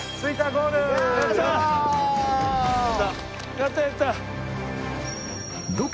やったやった。